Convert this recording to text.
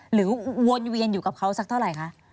วนเวียนอยู่กับเขาสักเท่าไหร่คะ